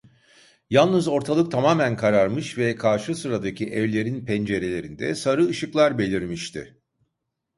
Yalnız ortalık tamamen kararmış ve karşı sıradaki evlerin pencerelerinde sarı ışıklar belirmişti.